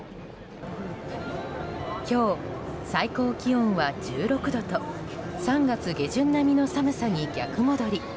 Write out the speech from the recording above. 今日、最高気温は１６度と３月下旬並みの寒さに逆戻り。